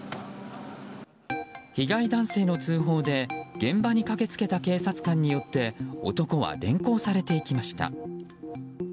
被害男性の通報で現場に駆け付けた警察官によって男は連行されていきました。